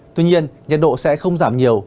tuy nhiên nhiệt độ sẽ không giảm nhiều